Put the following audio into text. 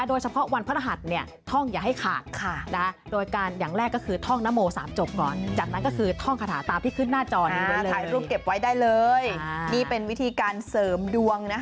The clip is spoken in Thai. โดยเฉพาะวันพระหัสท่องอย่าให้ขาด